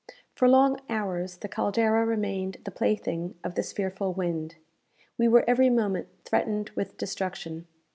For long hours the "Caldera" remained the plaything of this fearful wind. We were every moment threatened with destruction.